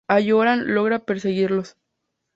Halloran logra perseguirlos.